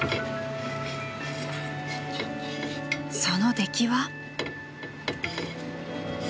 ［その出来は］